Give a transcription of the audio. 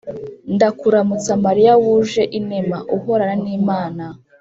“ndakuramutsa mariya wuje inema, uhorana n’imana